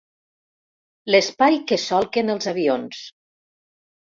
L'espai que solquen els avions.